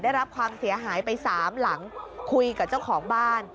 ได้รับความเสียหายไปสามหลังคุยกับเจ้าของบ้าน